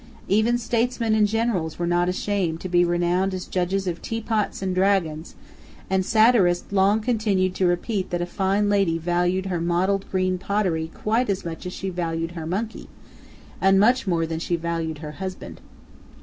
Even statesmen and generals were not ashamed to be renowned as judges of teapots and dragons; and satirists long continued to repeat that a fine lady valued her mottled green pottery quite as much as she valued her monkey, and much more than she valued her husband.